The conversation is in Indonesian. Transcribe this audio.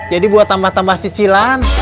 jadi buat tambah tambah cicilan